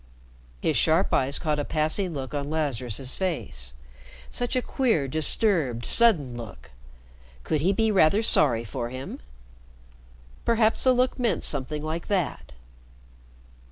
His sharp eyes caught a passing look on Lazarus's face. Such a queer, disturbed, sudden look. Could he be rather sorry for him? Perhaps the look meant something like that.